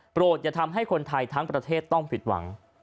อย่าทำให้คนไทยทั้งประเทศต้องผิดหวัง